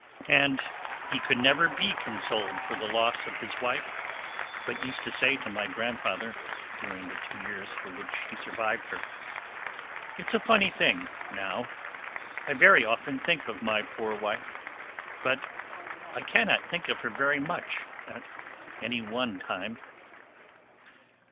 And he could never be consoled for the loss of his wife, but used to say to my grandfather, during the two years for which he survived her, "It's a funny thing, now; I very often think of my poor wife, but I cannot think of her very much at any one time."